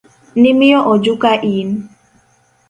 Nimiyo ojuka in.